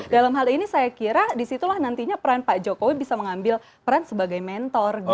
dalam hal ini saya kira disitulah nantinya peran pak jokowi bisa mengambil peran sebagai mentor